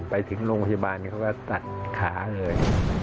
ไปถึงโรงพยาบาลเขาก็ตัดขาเลย